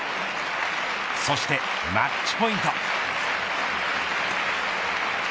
そしてマッチポイント。